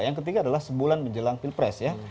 yang ketiga adalah sebulan menjelang pilpres ya